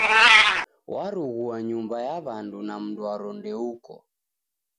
Warughua nyumba ya w'andu na mndwaro ndeuko.